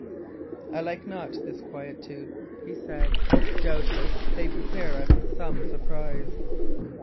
"I like not this quietude," he said. "Doubtless they prepare us some surprise."